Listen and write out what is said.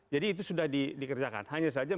jadi itu sudah dikerjakan hanya saja